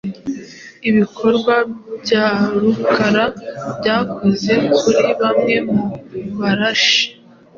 Ibikorwa bya Rukara byakoze kuri bamwe mu Barashi